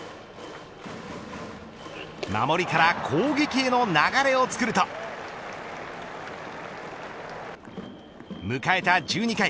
守りから攻撃への流れをつくると迎えた１２回。